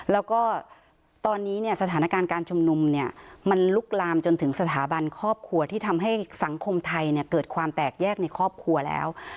แล้วก็ตอนนี้เนี่ยสถานการณ์การชุมนุมเนี่ยมันลุกลามจนถึงสถาบันครอบครัวที่ทำให้สังคมไทยเนี่ยเกิดความแตกแยกในครอบครัวแล้ว